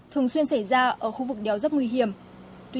thường xuyên xảy ra trong các vụ tài nạn giao thông nghiêm trọng